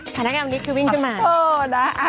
สถานกรรมนี้คือวิ่งขึ้นมา